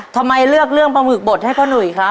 ทำไมเลือกเรื่องปลาหมึกบดให้พ่อหนุ่ยครับ